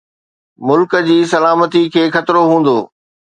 ملڪ جي سلامتي کي خطرو هوندو